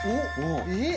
えっ？